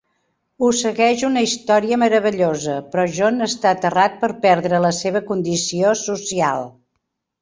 Ho segueix una història meravellosa, però John està aterrat per perdre la seva condició social.